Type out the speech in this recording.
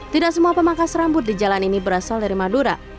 tidak semua pemangkas rambut di jalan ini berasal dari madura